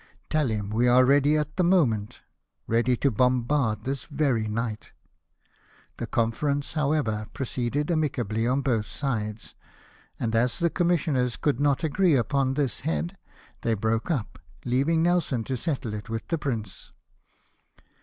" Tell him we are ready at a moment 1 ready to bombard this very night !" The conference, however, proceeded amic ably on both sides : and as the commissioners could not agree upon this head, they broke up, leaving Nelson to settle it with the Prince.